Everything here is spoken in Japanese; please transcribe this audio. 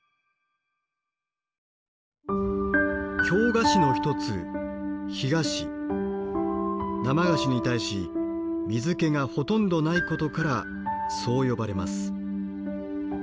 京菓子の一つ生菓子に対し水けがほとんどないことからそう呼ばれます。